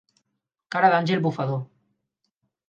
Cara d'àngel bufador.